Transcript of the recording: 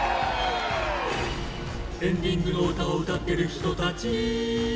「エンディングの歌をうたってる人たち」